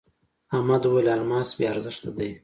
احمد وويل: الماس بې ارزښته دی.